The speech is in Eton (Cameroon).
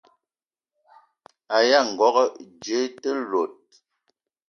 Aya ngogo dze te lot?